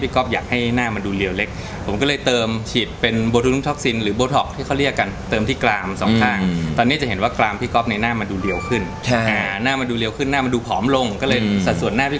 กระดูกหลังหูมาเซินปลายจะทำให้ปลายดูมนต์มีเนื้อขึ้นโอกาสปลาย